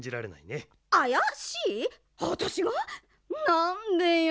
なんでよ。